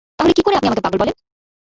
তাহলে কী করে আমাকে আপনি পাগল বলেন?